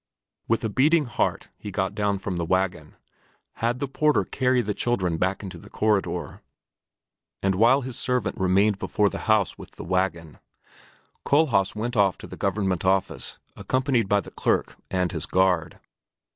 With a beating heart he got down from the wagon, had the porter carry the children back into the corridor, and while his servant remained before the house with the wagon, Kohlhaas went off to the Government Office, accompanied by the clerk and his guard.